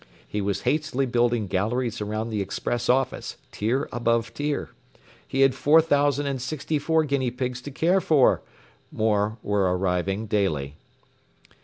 He was hastily building galleries around the express office, tier above tier. He had four thousand and sixty four guinea pigs to care for! More were arriving daily.